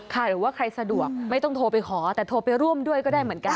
หรือว่าใครสะดวกไม่ต้องโทรไปขอแต่โทรไปร่วมด้วยก็ได้เหมือนกัน